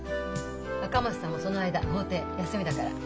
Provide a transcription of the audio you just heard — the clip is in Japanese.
赤松さんもその間法廷休みだから。